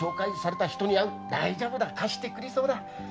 大丈夫だ貸してくれそうだ。